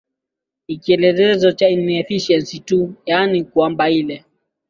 ni kielelezo cha ineffiency tu yaani kwamba ile